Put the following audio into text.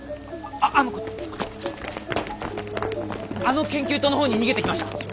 あのあの研究棟の方に逃げていきました。